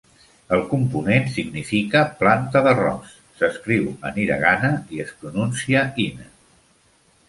El component significa "planta d'arròs", s'escriu en hiragana i es pronuncia: "ina".